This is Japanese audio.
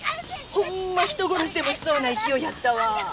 ほんま人殺しでもしそうな勢いやったわ。